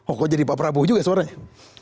oh kok jadi pak prabowo juga suaranya